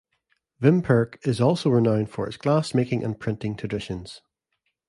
Vimperk is also renowned for its glass-making and printing traditions.